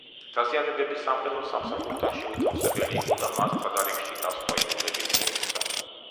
დაზიანებები სამხედრო სამსახურთან შეუთავსებელი იყო და მას თადარიგში გასვლა იძულებით მოუხდა.